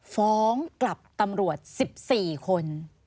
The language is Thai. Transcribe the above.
ฟ้องกลับตำรวจ๑๔คน